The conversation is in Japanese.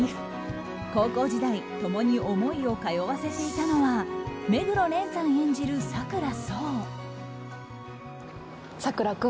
高校時代共に思いを通わせていたのは目黒蓮さん演じる佐倉想。